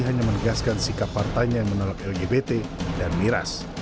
hanya menegaskan sikap partainya yang menolak lgbt dan miras